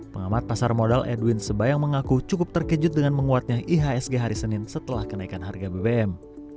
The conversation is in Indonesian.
pengamat pasar modal edwin sebayang mengaku cukup terkejut dengan menguatnya ihsg hari senin setelah kenaikan harga bbm